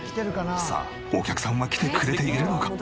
さあお客さんは来てくれているのか？